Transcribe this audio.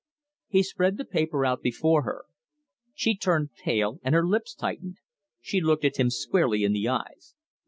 He spread the paper out before her. She turned pale and her lips tightened. She looked at him squarely in the eyes.